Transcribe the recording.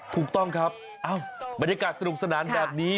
ถูกต้องครับบรรยากาศสนุกสนานแบบนี้